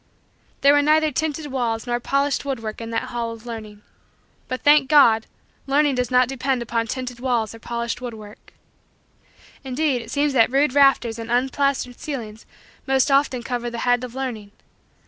There were neither tinted walls nor polished woodwork in that hall of learning. But, thank God, learning does not depend upon tinted walls or polished woodwork. Indeed it seems that rude rafters and unplastered ceilings most often covers the head of learning.